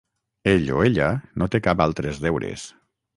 Ell o ella no té cap altres deures.